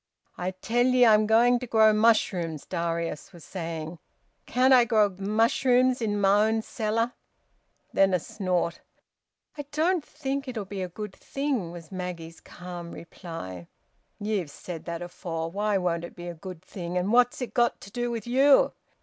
"I tell ye I'm going to grow mushrooms," Darius was saying. "Can't I grow mushrooms in my own cellar?" Then a snort. "I don't think it'll be a good thing," was Maggie's calm reply. "Ye've said that afore. Why won't it be a good thing? And what's it got to do with you?"